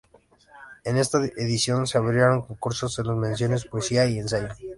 En esta edición, se abrieron concursos en las Menciones Poesía y Ensayo.